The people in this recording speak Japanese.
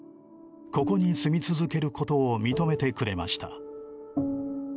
ここに住み続けることを認めてくれました。